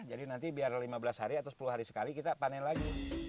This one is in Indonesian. jadi nanti biar lima belas hari atau sepuluh hari sekali kita panen lagi